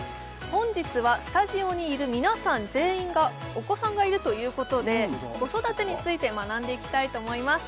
本日はスタジオにいる皆さん全員がお子さんがいるということで子育てについて学んでいきたいと思います